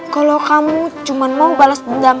kalo kamu cuman mau bales dendam